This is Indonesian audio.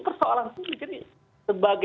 persoalan sendiri jadi sebagai